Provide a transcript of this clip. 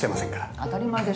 当たり前でしょ。